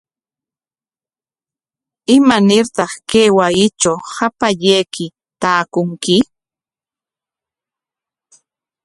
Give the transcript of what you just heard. ¿Imanartaq kay wasitraw hapallayki taakunki?